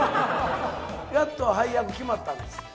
やっと配役決まったんです。